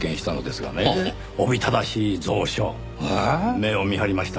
目を見張りました。